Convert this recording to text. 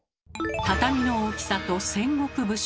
畳の大きさと戦国武将。